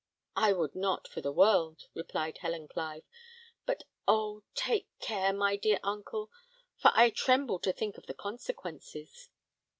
"I would not for the world," replied Helen Clive; "but oh! take care, my dear uncle, for I tremble to think of the consequences."